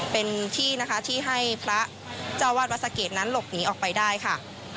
เป็นที่นะคะที่ให้พระเจ้าวาดวัดสะเกดนั้นหลบหนีออกไปได้ค่ะ